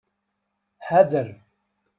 Ḥader!